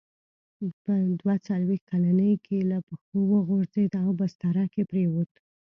په دوه څلوېښت کلنۍ کې له پښو وغورځېد او په بستره کې پرېووت.